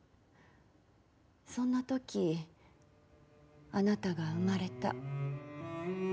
そんな時あなたが生まれた。